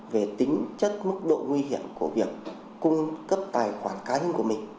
về tính chất mức độ nguy hiểm của việc cung cấp tài khoản cá nhân của mình